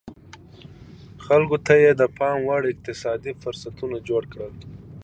خلکو ته یې د پام وړ اقتصادي فرصتونه جوړ کړل